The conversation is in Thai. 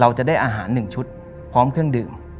เราจะได้อาหาร๑ชุดพร้อมเครื่องดื่ม